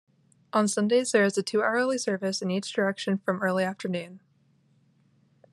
On Sundays, there is a two-hourly service in each direction from early afternoon.